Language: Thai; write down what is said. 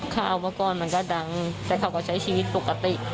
ข้าวอุปกรณ์มันก็ดังแต่เขาก็ใช้ชีวิตปกติ